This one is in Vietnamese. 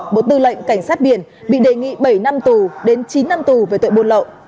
bộ tư lệnh cảnh sát biển bị đề nghị bảy năm tù đến chín năm tù về tội buôn lậu